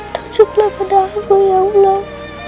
tujuklah pada aku ya allah